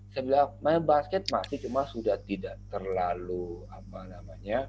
saya bilang main basket masih cuma sudah tidak terlalu apa namanya